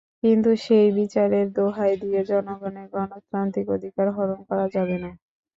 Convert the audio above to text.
কিন্তু সেই বিচারের দোহাই দিয়ে জনগণের গণতান্ত্রিক অধিকার হরণ করা যাবে না।